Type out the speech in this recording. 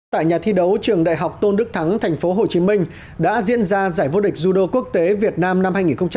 tại nhà thi đấu trường đại học tôn đức thắng tp hcm đã diễn ra giải vô địch judo quốc tế việt nam năm hai nghìn một mươi tám